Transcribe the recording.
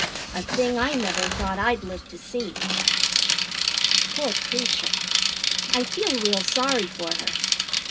A thing I never thought I'd live to see. Poor creature, I feel real sorry for her.